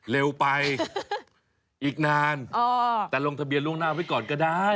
เร็วไปอีกนานแต่ลงทะเบียนล่วงหน้าไว้ก่อนก็ได้